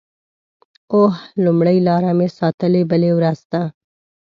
اوه…لومړۍ لاره مې ساتلې بلې ورځ ته